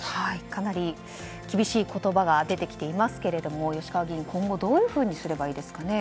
かなり厳しい言葉が出てきていますが吉川議員、今後どういうふうにすればいいですかね。